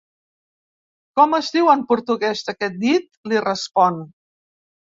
Com es diu en portuguès aquest dit? —li respon.